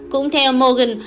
cũng theo morgan